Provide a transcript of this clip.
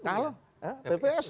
kalau bpsu ya